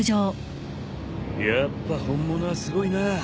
やっぱ本物はすごいな。